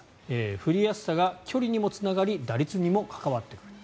振りやすさが距離にもつながり打率にも関わってくる。